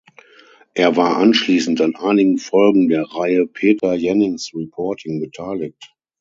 Er war anschließend an einigen Folgen der Reihe "Peter Jennings Reporting" beteiligt.